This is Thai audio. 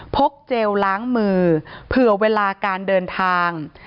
เจลล้างมือเผื่อเวลาการเดินทาง